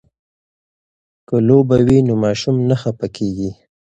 که لوبه وي نو ماشوم نه خفه کیږي.